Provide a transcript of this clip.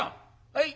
「はい。